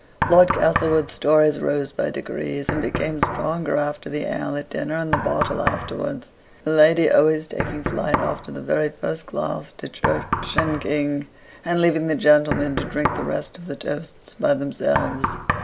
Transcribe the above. Lord Castlewood's stories rose by degrees, and became stronger after the ale at dinner and the bottle afterwards; my lady always taking flight after the very first glass to Church and King, and leaving the gentlemen to drink the rest of the toasts by themselves.